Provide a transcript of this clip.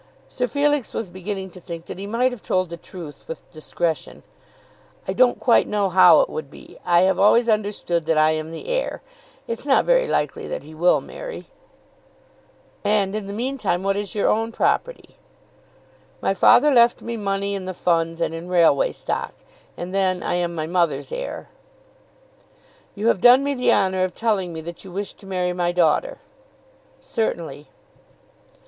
Sir Felix was beginning to think that he might have told the truth with discretion. "I don't quite know how it would be. I have always understood that I am the heir. It's not very likely that he will marry." "And in the meantime what is your own property?" [Illustration: "In the meantime what is your own property?"] "My father left me money in the funds and in railway stock, and then I am my mother's heir." "You have done me the honour of telling me that you wish to marry my daughter." "Certainly."